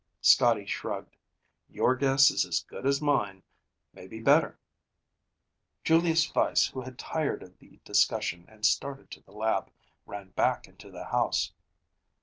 Scotty shrugged. "Your guess is as good as mine. Maybe better." Julius Weiss, who had tired of the discussion and started to the lab, ran back into the house.